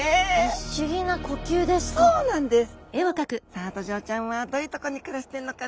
さあドジョウちゃんはどういうとこに暮らしてんのかな？